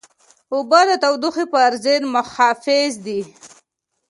اوبه د تودوخې پر ضد محافظ دي.